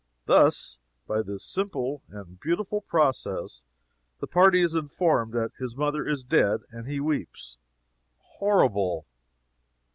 Thus, by this simple and beautiful process, the party is informed that his mother is dead, and he weeps." Horrible!